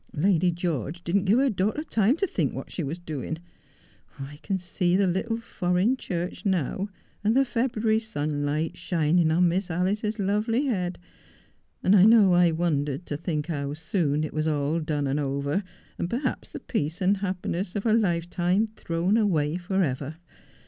Lady George didn't give her daughter time to think what she doing. I can see the little foreign church now, and the February sunlight shining on Miss Alice's lovely head, and I know I wondered to think bow soon it was all done and over, and perhaps the peace and happiness of a lifetime thrown away for ever.